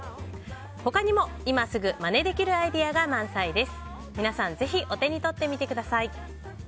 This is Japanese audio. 他にも今すぐまねできるアイデアが満載です。